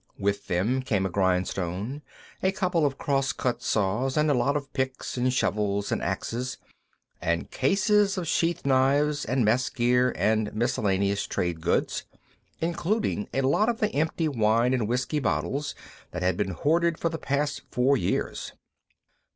With them came a grindstone, a couple of crosscut saws, and a lot of picks and shovels and axes, and cases of sheath knives and mess gear and miscellaneous trade goods, including a lot of the empty wine and whisky bottles that had been hoarded for the past four years.